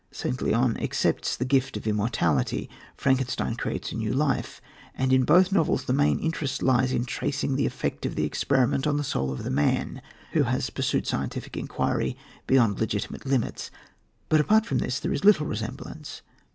St. Leon accepts the gift of immortality, Frankenstein creates a new life, and in both novels the main interest lies in tracing the effect of the experiment on the soul of the man, who has pursued scientific inquiry beyond legitimate limits. But apart from this, there is little resemblance.